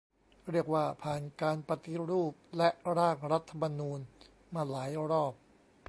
เรียกว่าผ่าน "การปฏิรูป" และ "ร่างรัฐธรรมนูญ" มาหลายรอบ